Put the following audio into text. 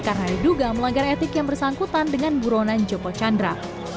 karena diduga melanggar etik yang bersangkutan dengan buronan joko chandra